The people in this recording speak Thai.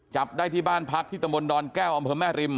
จับได้ที่บ้านพลักษณ์ที่ตะมนต์ดอนแก้วอำเภิมแม่ริม